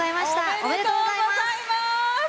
おめでとうございます。